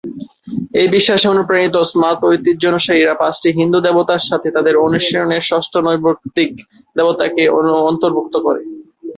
এই বিশ্বাসে অনুপ্রাণিত, স্মার্ত ঐতিহ্য অনুসারীরা, পাঁচটি হিন্দু দেবতার সাথে তাদের অনুশীলনে ষষ্ঠ নৈর্ব্যক্তিক দেবতাকে অন্তর্ভুক্ত করে।